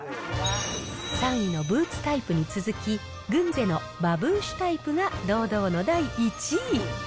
３位のブーツタイプに続き、グンゼのバブーシュタイプが堂々の第１位。